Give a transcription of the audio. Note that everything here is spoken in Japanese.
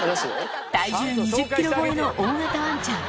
体重２０キロ超えの大型ワンちゃん。